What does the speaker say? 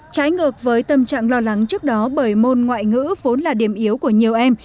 trái ngược với tâm trạng lo lắng trước đó bởi môn ngoại ngữ vốn là điểm yếu của nhiều em